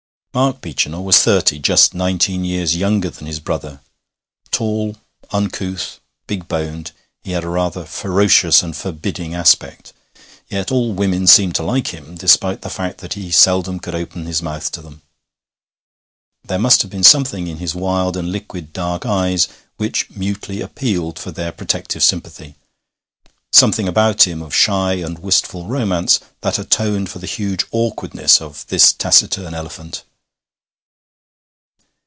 Mark Beechinor was thirty, just nineteen years younger than his brother. Tall, uncouth, big boned, he had a rather ferocious and forbidding aspect; yet all women seemed to like him, despite the fact that he seldom could open his mouth to them. There must have been something in his wild and liquid dark eyes which mutely appealed for their protective sympathy, something about him of shy and wistful romance that atoned for the huge awkwardness of this taciturn elephant.